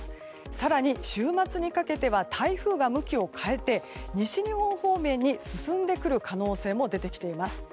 更に週末にかけては台風が向きを変えて西日本方面に進んでくる可能性も出てきています。